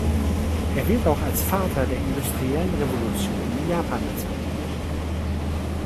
Er wird auch als Vater der industriellen Revolution in Japan bezeichnet.